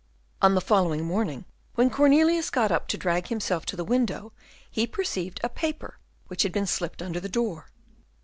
On the following morning, when Cornelius got up to drag himself to the window, he perceived a paper which had been slipped under the door.